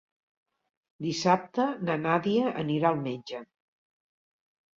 Dissabte na Nàdia anirà al metge.